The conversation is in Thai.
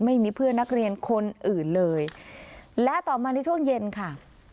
ไม่มีเพื่อนนักเรียนคนอื่นเลยและต่อมาในช่วงเย็นค่ะ